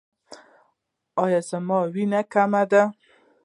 ایا زما وینه کمه ده؟